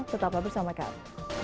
tetaplah bersama kami